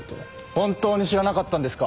本当に知らなかったんですか？